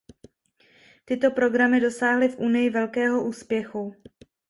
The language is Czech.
Tyto programy dosáhly v Unii velkého úspěchu.